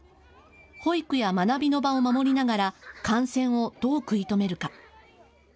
保育や学びの場を守りながら感染をどう食い止めるか。